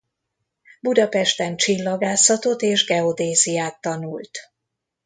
Budapesten csillagászatot és geodéziát tanult.